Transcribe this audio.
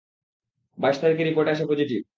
বাইশ তারিখে রিপোর্টে আসে পজিটিভ।